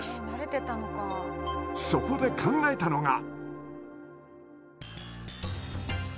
そこで考えたのが。